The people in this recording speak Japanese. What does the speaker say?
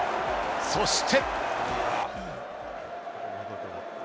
そして。